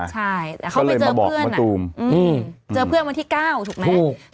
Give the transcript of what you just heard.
ใช่แต่เขาไปเจอเพื่อนเจอเพื่อนวันที่๙ถูกไหม